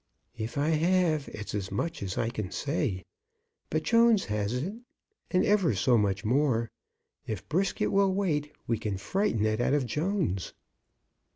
"If I have it's as much as I can say. But Jones has it, and ever so much more. If Brisket will wait, we can frighten it out of Jones."